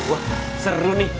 wah seru nih